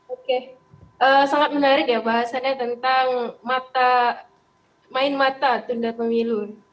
oke sangat menarik ya bahasannya tentang main mata tunda pemilu